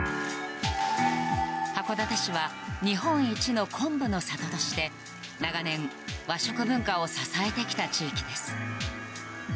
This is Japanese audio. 函館市は日本一の昆布の里として長年、和食文化を支えてきた地域です。